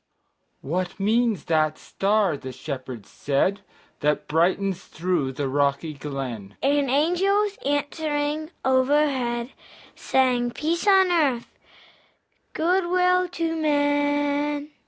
"What means that star," the Shepherds said, "That brightens through the rocky glen?" And angels, answering overhead, Sang, "Peace on earth, good will to men!"